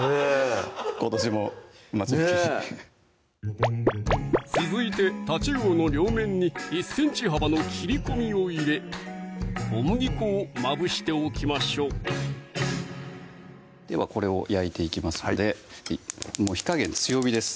今年も待ち受けにねぇ続いてたちうおの両面に１ｃｍ幅の切り込みを入れ小麦粉をまぶしておきましょうではこれを焼いていきますので火加減強火です